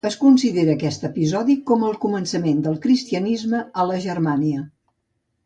Es considera aquest episodi com el començament del cristianisme a la Germània.